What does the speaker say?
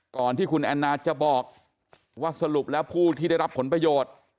ก่อนที่คุณแอนนาจะบอกว่าสรุปแล้วผู้ที่ได้รับผลประโยชน์